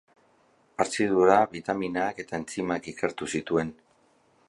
Hartzidura, bitaminak eta entzimak ikertu zituen.